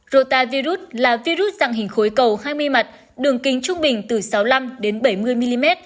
rota virus là virus dạng hình khối cầu hai mươi mặt đường kính trung bình từ sáu mươi năm đến bảy mươi mm